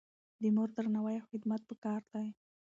د مور درناوی او خدمت پکار دی.